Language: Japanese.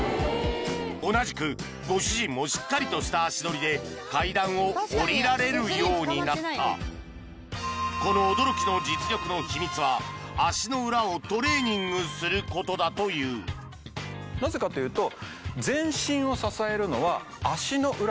同じくご主人もしっかりとした足取りで階段を下りられるようになったこの足の裏をトレーニングすることだというなぜかというとえっ？